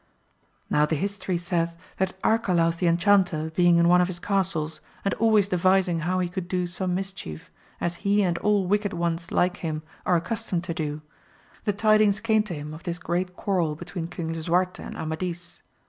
Now the history saith that Arcalaus the Enchanter being in one of his castles, and always devising how he could do some mischief, as he and all wicked ones like him are accustomed to do, the tidings came to him of this great quarrel between Eang lisuarte and Amadis.